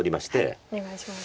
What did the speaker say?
お願いします。